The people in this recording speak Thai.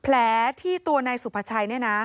แผลที่ตัวนายสุภาชัยเนี่ยนะ